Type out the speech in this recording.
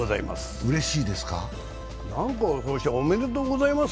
ありがとうございます。